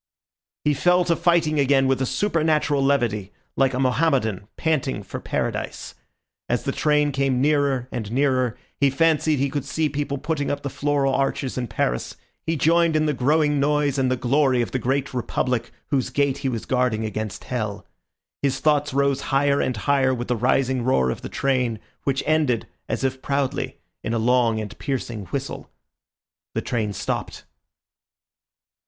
He fell to fighting again with a supernatural levity, like a Mohammedan panting for Paradise. As the train came nearer and nearer he fancied he could see people putting up the floral arches in Paris; he joined in the growing noise and the glory of the great Republic whose gate he was guarding against Hell. His thoughts rose higher and higher with the rising roar of the train, which ended, as if proudly, in a long and piercing whistle. The train stopped.